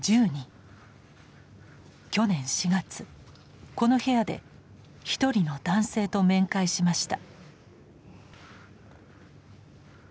去年４月この部屋で一人の男性と面会しました。